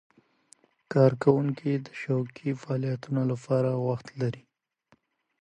کارکوونکي د شوقي فعالیتونو لپاره وخت لري.